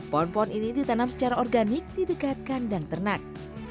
pohon pohon ini ditanam secara organik di dekat kandang ternak